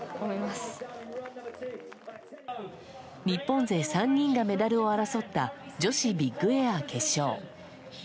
日本勢３人がメダルを争った女子ビッグエア決勝。